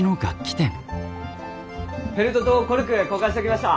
フェルトとコルク交換しときました。